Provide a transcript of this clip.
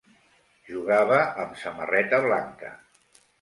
Jugava amb samarreta blanca.